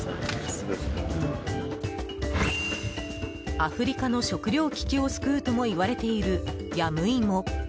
アフリカの食糧危機を救うともいわれている、ヤムイモ。